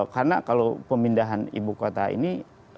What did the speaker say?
karena kalau pemindahan ibu kota ini